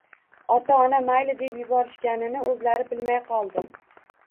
Ota-ona, mayli, deb yuborishganini o‘zlari bilmay qoldi